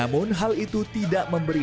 namun hal itu tidak memberi